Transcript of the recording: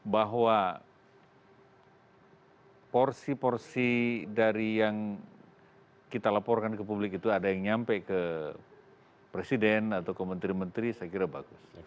bahwa porsi porsi dari yang kita laporkan ke publik itu ada yang nyampe ke presiden atau ke menteri menteri saya kira bagus